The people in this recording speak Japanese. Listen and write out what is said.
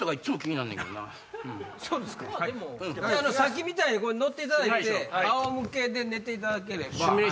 さっきみたいに乗っていただいて仰向けで寝ていただければ。